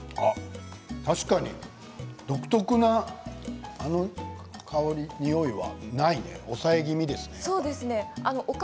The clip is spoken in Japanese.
確かに独特な香りはないね、抑え気味ですね。